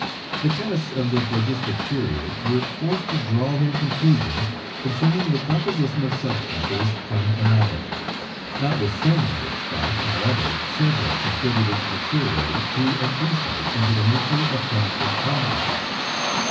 The chemists of the Phlogistic Period were forced to draw their conclusions concerning the composition of sub stances from analogy, notwithstanding which fact, how ever, several contributed materially to an insight into the nature of chemical compounds.